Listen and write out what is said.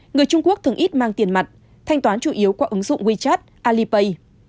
người trung quốc thường ít mang tiền mặt thanh toán chủ yếu qua ứng dụng wechat alipay